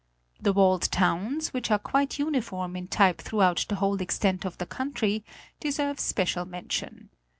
The walled towns, which are quite uniform in type throughout the whole extent of the country, deserve especial mention.